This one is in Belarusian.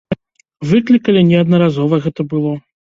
Выклікалі, неаднаразова гэта было.